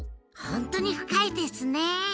本当に深いですね。